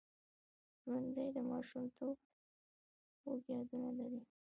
ژوندي د ماشومتوب خوږ یادونه لري